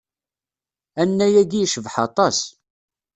Annay-agi icbeḥ aṭas.